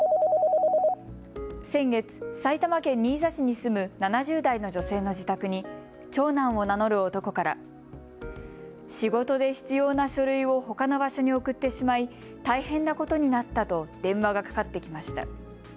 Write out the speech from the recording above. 先月、埼玉県新座市に住む７０代の女性の自宅に長男を名乗る男から仕事で必要な書類をほかの場所に送ってしまい大変なことになったと電話がかかってきました。